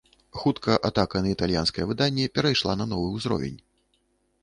Хутка атака на італьянскае выданне перайшла на новы ўзровень.